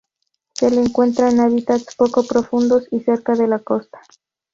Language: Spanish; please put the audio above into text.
Se le encuentra en hábitats poco profundos y cerca de la costa.